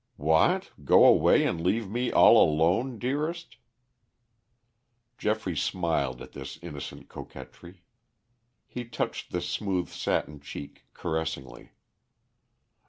"What, go away and leave me all alone, dearest?" Geoffrey smiled at this innocent coquetry. He touched the smooth satin cheek caressingly.